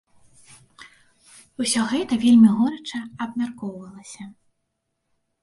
Усё гэта вельмі горача абмяркоўвалася.